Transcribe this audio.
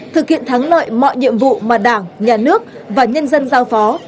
thực hiện thắng lợi mọi nhiệm vụ mà đảng nhà nước và nhân dân giao phó